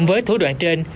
với thủ đoạn trên